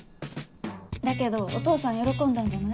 だけどお父さん喜んだんじゃない？